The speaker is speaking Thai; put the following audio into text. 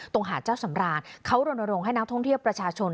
หาดเจ้าสำรานเขารณรงค์ให้นักท่องเที่ยวประชาชน